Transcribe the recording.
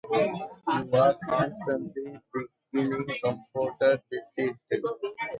You are constantly being confronted with it.